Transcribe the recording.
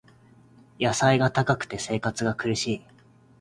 野菜が高くて生活が苦しい